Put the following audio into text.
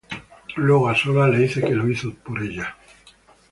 Luego, a solas le dice que lo hizo por ella.